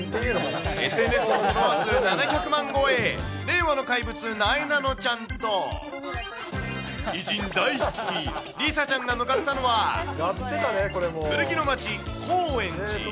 ＳＮＳのフォロワー数７００万超え、令和の怪物、なえなのちゃんと、偉人大好き、梨紗ちゃんが向かったのは、古着の街、高円寺。